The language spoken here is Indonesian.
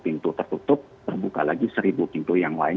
pintu tertutup terbuka lagi seribu pintu yang lain